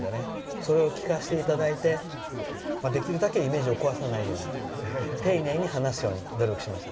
それを聞かせていただいてできるだけイメージを壊さないように丁寧に話すように努力しました。